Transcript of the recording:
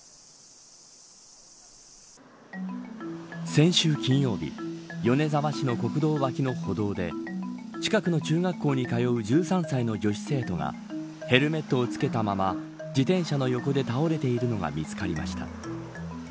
先週金曜日米沢市の国道脇の歩道で近くの中学校に通う１３歳の女子生徒がヘルメットを着けたまま自転車の横で倒れているのが見つかりました。